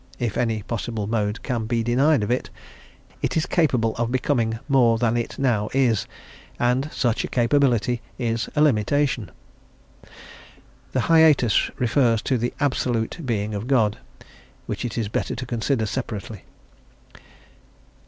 If any possible mode can be denied of it... it is capable of becoming more than it now is, and such a capability is a limitation. (The hiatus refers to the "absolute" being of God, which it is better to consider separately.)